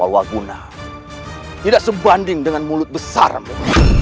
waguna tidak sebanding dengan mulut besarmu